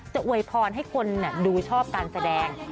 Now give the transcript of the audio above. อวยพรให้คนดูชอบการแสดง